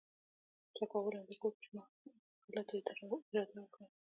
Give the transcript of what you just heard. چپاول او د کور چور او تالا ته اراده وکړه.